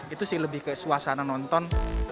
itu sih lebih ke suasana nonton